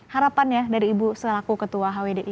harapan ya dari ibu selaku ketua hwdi